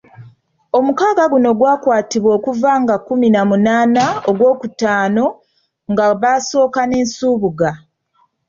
Omukaaga guno gwakwatibwa okuva nga kumi na munaana ogw'okutaano nga baasooka ne Nsubuga.